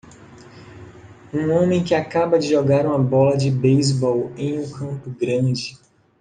Um homem que acaba de jogar uma bola de beisebol em um campo grande.